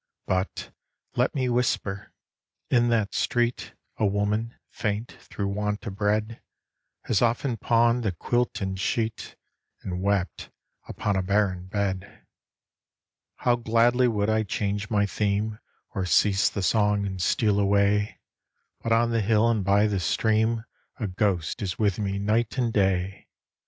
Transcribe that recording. But, let me whisper, in that street A woman, faint through want of bread, Has often pawned the quilt and sheet And wept upon a barren bed. How gladly would I change my theme, Or cease the song and steal away, But on the hill and by the stream A ghost is with me night and day!